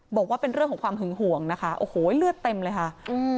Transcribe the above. บอกว่าเป็นเรื่องของความหึงห่วงนะคะโอ้โหเลือดเต็มเลยค่ะอืม